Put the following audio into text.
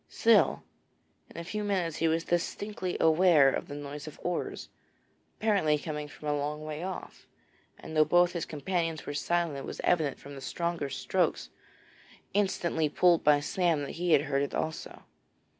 Still, in a few minutes he was distinctly aware of the noise of oars, apparently coming from a long way off, and though both his companions were silent, it was evident from the stronger strokes instantly pulled by Sam that he had heard it also.